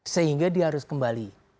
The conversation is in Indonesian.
sehingga dia harus kembali